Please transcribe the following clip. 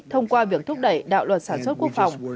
thông qua việc thúc đẩy đạo luật sản xuất quốc phòng